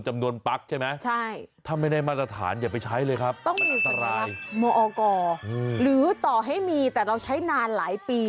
มันต้องอยู่ไหนรับหรือต่อให้มีแต่เราใช้นานหลายปี